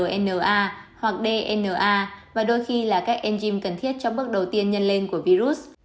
r n a hoặc d n a và đôi khi là các enzyme cần thiết cho bước đầu tiên nhân lên của virus